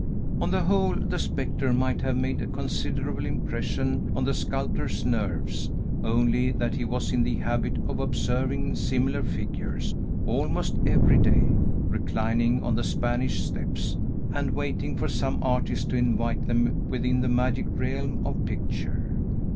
On the whole, the spectre might have made a considerable impression on the sculptor's nerves, only that he was in the habit of observing similar figures, almost every day, reclining on the Spanish steps, and waiting for some artist to invite them within the magic realm of picture.